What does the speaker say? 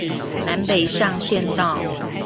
南北向縣道